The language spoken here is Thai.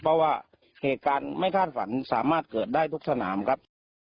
เพราะว่าเหตุการณ์ไม่คาดฝันสามารถเกิดได้ทุกสนามครับ